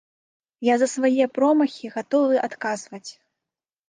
Я за свае промахі гатовы адказваць.